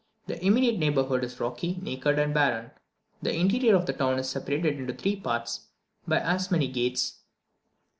The immediate neighbourhood is rocky, naked, and barren. The interior of the town is separated into three parts by as many gates.